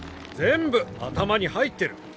全部頭に入ってる。